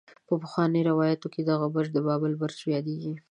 په پخوانو روايتونو کې دغه برج د بابل برج يادېږي.